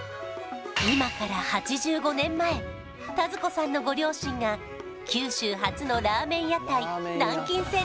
今から８５年前タヅ子さんのご両親が九州初のラーメン屋台南京千